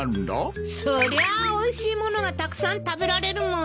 そりゃあおいしい物がたくさん食べられるもの。